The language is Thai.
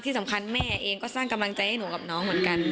สำคัญแม่เองก็สร้างกำลังใจให้หนูกับน้องเหมือนกัน